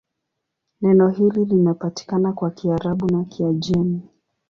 Neno hili linapatikana kwa Kiarabu na Kiajemi.